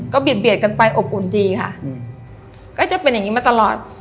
เบียดกันไปอบอุ่นดีค่ะก็จะเป็นอย่างนี้มาตลอด